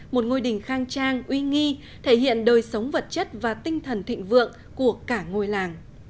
một ngôi đình khang trang uy nghi thể hiện đời sống vật chất và tinh thần thịnh vượng của cả ngôi làng